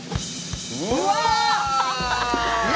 うわ！